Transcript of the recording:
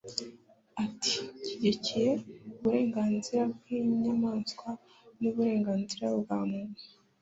Ati Nshyigikiye uburenganzira bwinyamaswa nuburenganzira bwa muntu